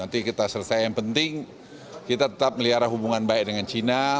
nanti kita selesai yang penting kita tetap melihara hubungan baik dengan cina